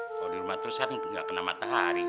kalau di rumah terus kan nggak kena matahari